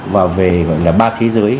và về ba thế giới